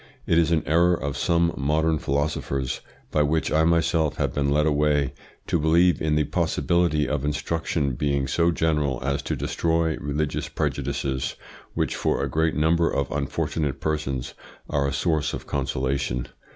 IT IS AN ERROR OF SOME MODERN PHILOSOPHERS, BY WHICH I MYSELF HAVE BEEN LED AWAY, to believe in the possibility of instruction being so general as to destroy religious prejudices, which for a great number of unfortunate persons are a source of consolation.